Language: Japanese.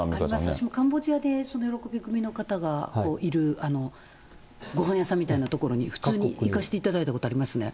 私もカンボジアでよろこび組の方がいらっしゃる、ごはん屋さんみたいな所に普通に行かしていただいたことありますね。